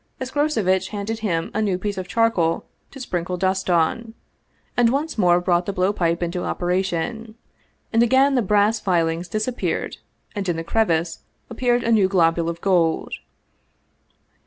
Escroceviteh handed him a new piece of charcoal to sprinkle dust on, and once more brought the blow pipe into operation. And again the brass filings disappeared and in the crevice appeared a new globule of gold.